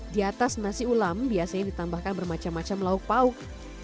di atas nasi ulam biasanya ditambahkan bermacam macam lauk pauk